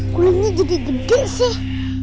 kulingnya jadi gede sih